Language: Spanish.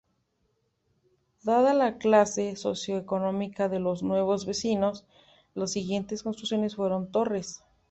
Dada la clase socioeconómica de los nuevos vecinos, las siguientes construcciones fueron torres.